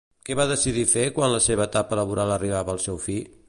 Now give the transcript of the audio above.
Què va decidir fer quan la seva etapa laboral arribava al seu fi?